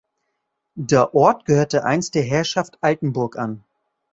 Der Ort gehörte einst der Herrschaft Altenburg an.